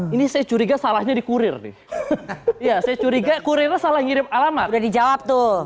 ini saya curiga salahnya dikurir nih ya saya curiga kurir salah ngirim alamat dijawab tuh